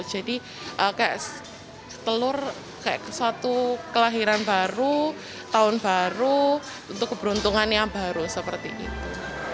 jadi seperti telur seperti suatu kelahiran baru tahun baru untuk keberuntungan yang baru seperti itu